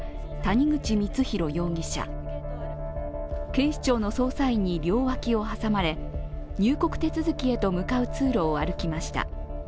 警視庁の捜査員に両脇を挟まれ入国手続きへと向かう通路を歩きました。